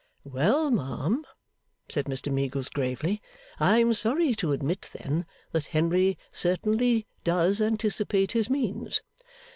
'Well, ma'am,' said Mr Meagles, gravely, 'I am sorry to admit, then, that Henry certainly does anticipate his means.